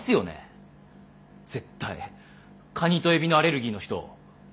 カニとエビのアレルギーの人。